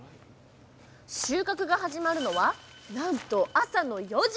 収穫が始まるのはなんと朝の４時。